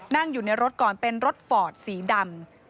นั่งอยู่ในรถก่อนเป็นรถฟอร์ดสีดำ